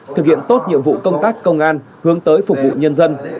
thực hiện tốt nhiệm vụ công tác công an hướng tới phục vụ nhân dân